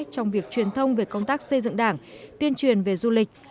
trong việc truyền thông về công tác xây dựng đảng tuyên truyền về du lịch